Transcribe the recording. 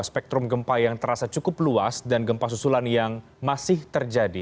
spektrum gempa yang terasa cukup luas dan gempa susulan yang masih terjadi